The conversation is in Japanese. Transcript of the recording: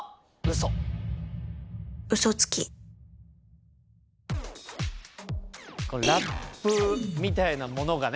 嘘つきこれラップみたいなものがね